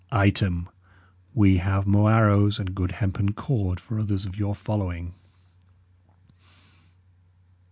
"Item, we have mo arrowes and goode hempen cord for otheres of your following."